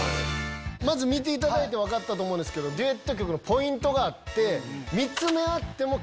まず見ていただいて分かったと思うんですけどデュエット曲のポイントがあって。